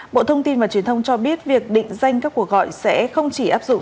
bộ thông tin và truyền thông cho biết việc định danh các cuộc gọi sẽ không chỉ áp dụng